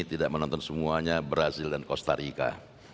tidak menonton semuanya brazil dan costa rica